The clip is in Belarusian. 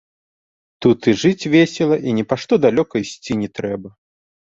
Тут і жыць весела і ні па што далёка ісці не трэба.